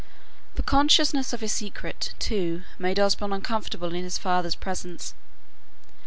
The consciousness of his secret, too, made Osborne uncomfortable in his father's presence.